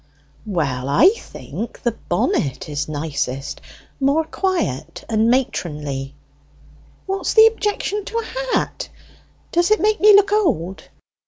"Well, I think the bonnet is nicest, more quiet and matronly." "What's the objection to the hat? Does it make me look old?"